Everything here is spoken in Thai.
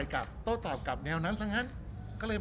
รูปนั้นผมก็เป็นคนถ่ายเองเคลียร์กับเรา